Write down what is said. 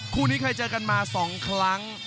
คู่นี้เคยเจอกันมา๒ครั้ง